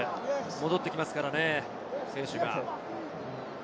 戻ってきますからね、選手が。